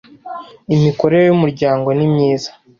imikorere y ‘umuryango nimyiza.